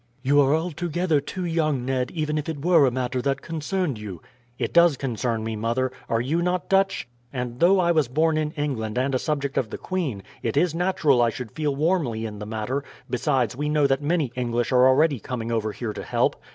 "You are altogether too young, Ned, even if it were a matter that concerned you." "It does concern me, mother. Are you not Dutch? And though I was born in England and a subject of the queen, it is natural I should feel warmly in the matter; besides we know that many English are already coming over here to help.